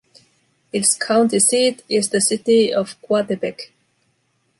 Its county seat is the city of Coatepec.